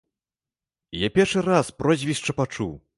Я першы раз прозвішча пачуў.